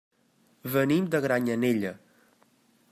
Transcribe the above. Venim de Granyanella.